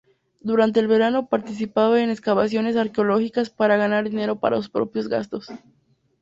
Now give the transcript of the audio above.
Durante el verano participaba en excavaciones arqueológicas para ganar dinero para sus propios gastos.